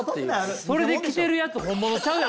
それで来てるやつ本物ちゃうやろ多分。